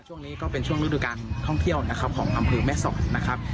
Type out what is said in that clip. ช่วงนี้ก็เป็นช่วงฤดูการท่องเที่ยวนะครับของอำเภอแม่สอดนะครับ